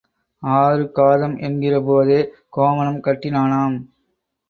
ஆறு காதம் என்கிற போதே கோவனம் கட்டினானாம்.